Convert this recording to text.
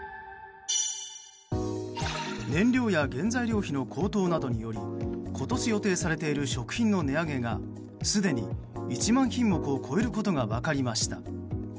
燃料や原材料費の高騰などにより今年予定されている食品の値上げがすでに１万品目を超えることが分かりました。